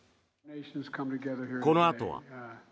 このあとは。